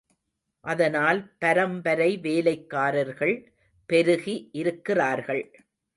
அதனால் பரம்பரை வேலைக்காரர்கள் பெருகி இருக்கிறார்கள்.